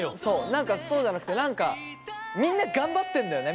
何かそうじゃなくて何かみんな頑張ってんだよね